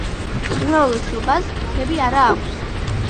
უმრავლესობას ფრთები არ აქვს.